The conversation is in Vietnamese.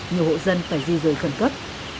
nhiều hộ dân phải di rời khẩn cấp